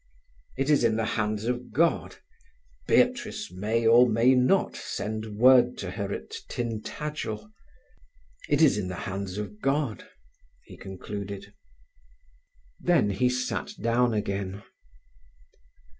"It is in the hands of God. Beatrice may or may not send word to her at Tintagel. It is in the hands of God," he concluded. Then he sat down again.